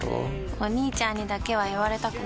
お兄ちゃんにだけは言われたくないし。